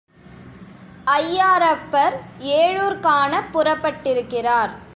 ஐயாறப்பர் ஏழூர் காணப் புறப்பட்டிருக்கிறார்.